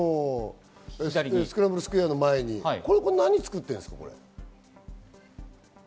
スクランブルスクエアの前に何をつくってるんですか？